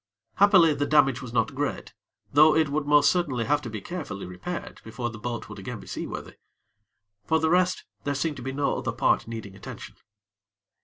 Happily, the damage was not great; though it would most certainly have to be carefully repaired before the boat would be again seaworthy. For the rest, there seemed to be no other part needing attention.